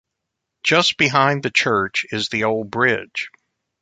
Just behind the church is the old bridge.